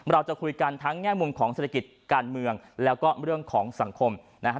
เราจะคุยกันทั้งแง่มุมของเศรษฐกิจการเมืองแล้วก็เรื่องของสังคมนะฮะ